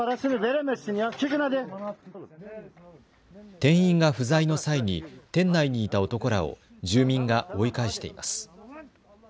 店員が不在の際に店内にいた男らを住民が追い返しています。